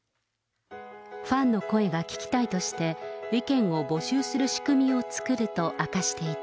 ファンの声が聞きたいとして、意見を募集する仕組みを作ると明かしていた。